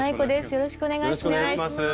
よろしくお願いします。